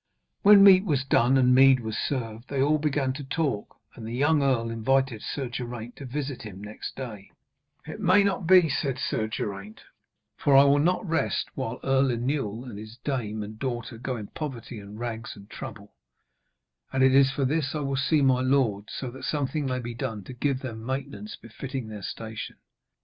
When meat was done and mead was served, they all began to talk, and the young earl invited Sir Geraint to visit him next day. 'It may not be,' said Sir Geraint; 'I will go to the court of my lord Arthur with this maiden, for I will not rest while Earl Inewl and his dame and daughter go in poverty and rags and trouble. And it is for this I will see my lord, so that something may be done to give them maintenance befitting their station.'